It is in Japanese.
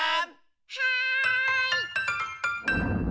はい！